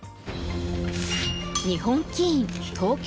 日本棋院東京